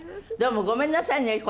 どうもごめんなさいね